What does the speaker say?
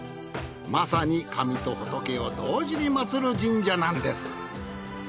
まさに神と仏を同時に祀る神社なんです。